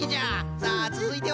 さあつづいては？